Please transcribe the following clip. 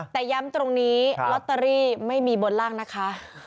แต่ย้ำตรงนี้ลอตเตอรี่ไม่มีบนล่างนะคะ